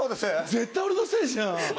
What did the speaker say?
絶対、俺のせいじゃん。